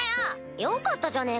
よかったじゃねえか。